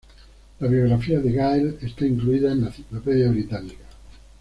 La biografía de Gael está incluida en la "Enciclopedia Británica".